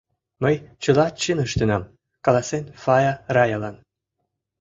— Мый чыла чын ыштенам, — каласен Фая Раялан.